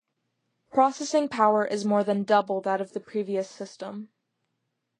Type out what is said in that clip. Processing power is more than double that of the previous system.